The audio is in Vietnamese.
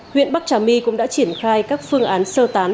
huyện bắc trà my cũng đã triển khai các phương án sơ tán